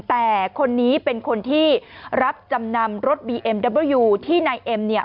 แต่คนนี้เป็นคนที่รับจำนำรถบีเอ็มดับเบอร์ยูที่นายเอ็มเนี่ย